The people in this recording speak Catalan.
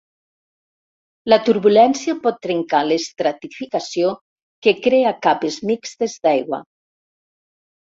La turbulència pot trencar l'estratificació que crea capes mixtes d'aigua.